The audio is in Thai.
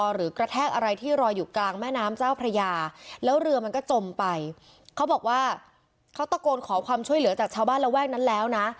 กระแทกอะไรที่รออยู่กลางแม่น้ำเจ้าพระยาแล้วเรือมันก็จมไปเขาบอกว่าเขาตะโกนขอความช่วยเหลือจากชาวบ้านระแวกนั้นแล้วนะ